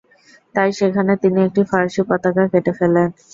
তাই সেখানে তিনি একটি ফরাসি পতাকা কেটে ফেলেন।